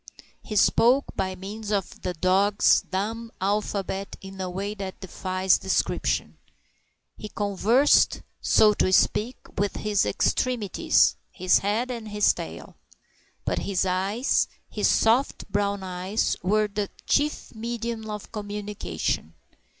He spoke by means of the dog's dumb alphabet in a way that defies description. He conversed, so to speak, with his extremities his head and his tail. But his eyes, his soft brown eyes, were the chief medium of communication.